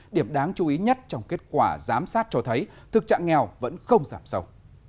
điểm đáng chú ý nhất trong kết quả giám sát cho thấy thực trạng nghèo vẫn không giảm sâu